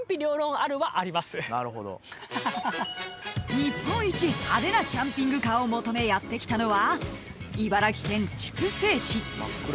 ［日本一派手なキャンピングカーを求めやって来たのは］